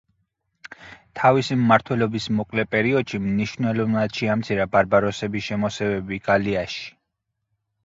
თავისი მმართველობის მოკლე პერიოდში მნიშვნელოვნად შეამცირა ბარბაროსების შემოსევები გალიაში.